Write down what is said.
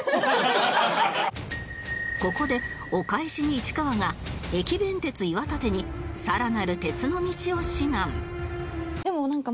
ここでお返しに市川が駅弁鉄岩立に更なる鉄の道を指南